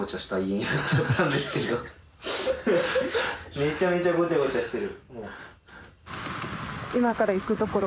めちゃめちゃごちゃごちゃしてる。